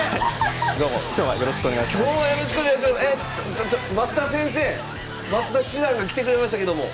ちょ増田先生！増田七段が来てくれましたけども。